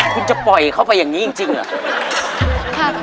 คุณจะปล่อยเข้าไปอย่างนี้จริงเหรอ